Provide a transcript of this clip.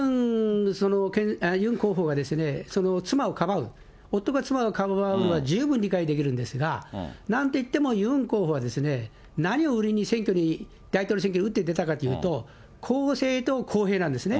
ユン候補が妻をかばう、夫が妻をかばうのは十分理解できるんですが、なんていっても、ユン候補は、何を売りに大統領選挙に打って出たかといいますと、公正と公平なんですね。